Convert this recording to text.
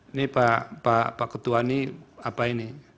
ini pak ketua ini apa ini